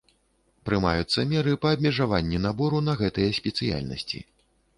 Прымаюцца меры па абмежаванні набору на гэтыя спецыяльнасці.